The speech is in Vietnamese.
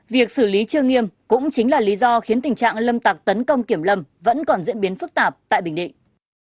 việc xử lý chưa nghiêm cũng chính là lý do khiến tình trạng lâm tặc tấn công kiểm lâm vẫn còn diễn biến phức tạp tại bình định